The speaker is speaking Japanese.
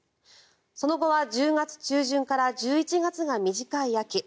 その後は１０月中旬から１１月が短い秋。